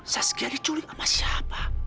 saskia diculik sama siapa